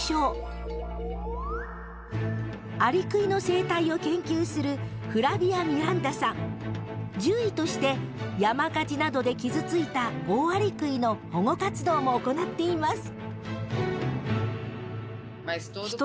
アリクイの生態を研究する獣医として山火事などで傷ついたオオアリクイの保護活動も行っています